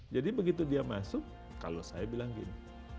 jadi begitu dia masuk kalau saya bilang gini